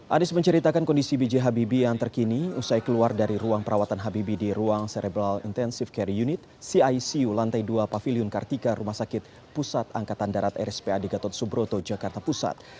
anies menceritakan kondisi b j habibie yang terkini usai keluar dari ruang perawatan habibie di ruang cerebral intensive care unit cicu lantai dua pavilion kartika rumah sakit pusat angkatan darat rspad gatot subroto jakarta pusat